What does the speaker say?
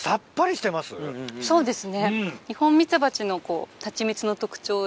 そうですね。